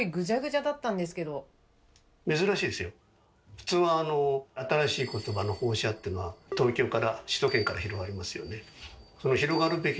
普通はあの新しい言葉の放射っていうのは東京から首都圏から広がりますよね。